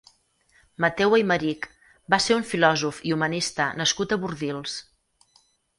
Mateo Aimerich va ser un filòsof i humanista nascut a Bordils.